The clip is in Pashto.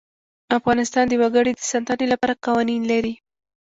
افغانستان د وګړي د ساتنې لپاره قوانین لري.